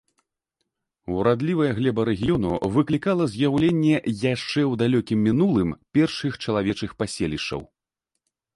Урадлівая глеба рэгіёну выклікала з'яўленне, яшчэ ў далёкім мінулым, першых чалавечых паселішчаў.